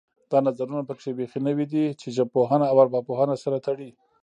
دا نظرونه پکې بیخي نوي دي چې ژبپوهنه او ارواپوهنه سره تړي